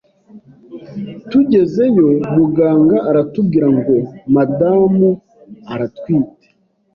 tugezeyo muganga aratubwira ngo madamu aratwite,